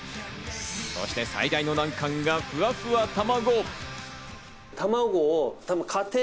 そして最大の難関がふわふわ卵。